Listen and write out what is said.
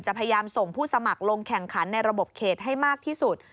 พยายามส่งผู้สมัครลงแข่งขันในระบบเขตให้มากที่สุด